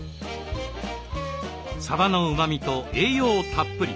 さばのうまみと栄養たっぷり。